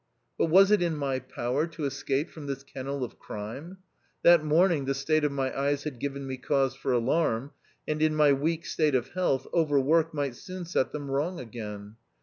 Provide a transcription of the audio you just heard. But was it in my power to escape from this kennel of crime ? That morning the state of my eyes had given me cause for alarm, and in my weak state of health overwork might soon set them wrong again.